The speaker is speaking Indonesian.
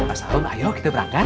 assalamualaikum ayo kita berangkat